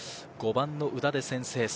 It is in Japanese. ５番の夘田で先制。